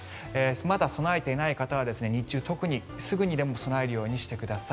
まだ備えていない方は日中すぐにでも備えるようにしてください。